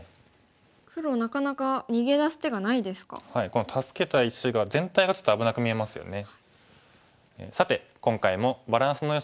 この助けた石が全体がちょっと危なく見えますよね。